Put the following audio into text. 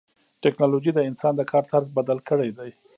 ټکنالوجي د انسان د کار طرز بدل کړی دی.